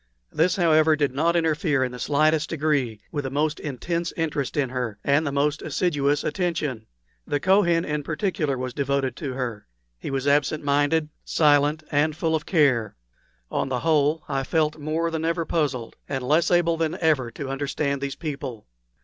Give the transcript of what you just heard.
This, however, did not interfere in the slightest degree with the most intense interest in her, and the most assiduous attention. The Kohen in particular was devoted to her. He was absent minded, silent, and full of care. On the whole, I felt more than ever puzzled, and less able than ever to understand these people.